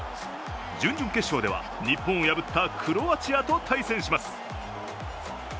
準々決勝では日本を破ったクロアチアと対戦します。